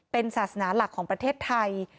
เป็นศาสนาหลักของประเทศไทย